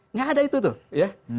nggak ada itu tuh